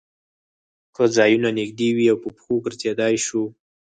که ځایونه نږدې وي او په پښو ګرځېدای شو.